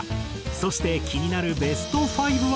そして気になるベスト５は。